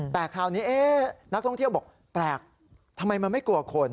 แต่คราวนี้นักท่องเที่ยวบอกแปลกทำไมมันไม่กลัวคน